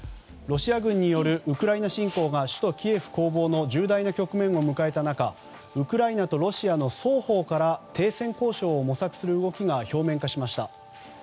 ロシア軍によるウクライナ侵攻が首都キエフ近郊の重大な局面を迎えた中ウクライナとロシアの双方から停戦交渉を模索する動きが表面化しました。